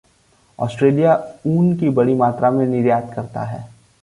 Australia ऊन का बड़ी मात्रा में निर्यात करता है।